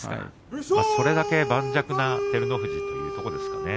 それだけ盤石な照ノ富士というところですか？